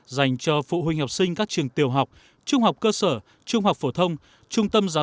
dành cho phụ huynh học sinh các trường tiểu học trung học cơ sở trung học phổ thông trung tâm giáo